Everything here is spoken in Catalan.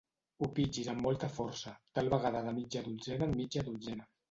Ho pitgis amb molta força, tal vegada de mitja dotzena en mitja dotzena.